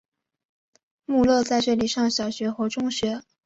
穆勒在这里上小学和中学。